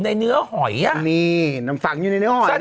เหนือหอยอ่ะนี่ตำฝั่งอยู่ในนิ้วหอยน่ะ